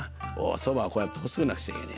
そばはこうやって細くなくちゃいけねえ」。